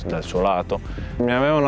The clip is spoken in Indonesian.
jadi saya bisa menemukannya